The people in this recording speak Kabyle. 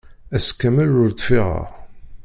Ass kamel ur d-ffiɣeɣ.